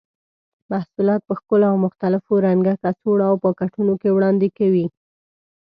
محصولات په ښکلو او مختلفو رنګه کڅوړو او پاکټونو کې وړاندې کوي.